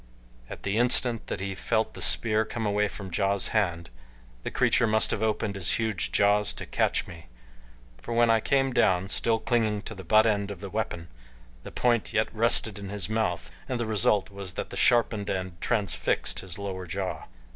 At the instant that he felt the spear come away from Ja's hand the creature must have opened his huge jaws to catch me, for when I came down, still clinging to the butt end of the weapon, the point yet rested in his mouth and the result was that the sharpened end transfixed his lower jaw.